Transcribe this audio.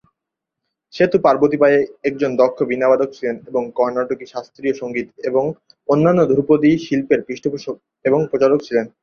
সেতু পার্বতী বাই একজন দক্ষ বীণা বাদক ছিলেন, এবং কর্ণাটকী শাস্ত্রীয় সঙ্গীত এবং অন্যান্য ধ্রুপদী শিল্পের পৃষ্ঠপোষক এবং প্রচারক ছিলেন।